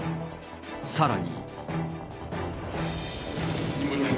さらに。